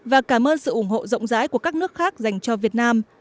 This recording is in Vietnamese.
và cảm ơn sự ủng hộ rộng rãi của các nước khác dành cho việt nam